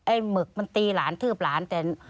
ไอ้หมึกมันตีหลานทืบหลาน